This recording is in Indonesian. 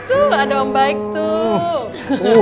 tuh ada om baik tuh